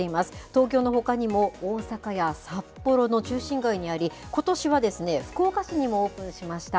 東京のほかにも、大阪や札幌の中心街にあり、ことしはですね、福岡市にもオープンしました。